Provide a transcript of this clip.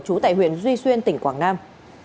trú tại huyện duy xuyên tỉnh quảng nam